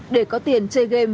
để có tiền chơi game